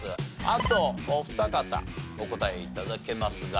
あとお二方お答え頂けますが。